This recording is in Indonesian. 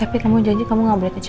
tapi kamu janji kamu gak boleh aja